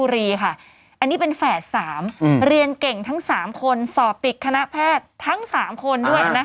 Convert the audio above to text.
เรียนเก่งทั้งสามคนสอบติดคณะแพทย์ทั้งสามคนด้วยนะคะ